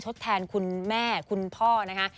ทดแทนคุณแม่คุณพ่อนะคะ